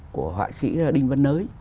của họa sĩ đinh văn nới